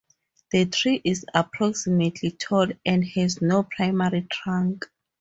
The tree is approximately tall and has no primary trunk.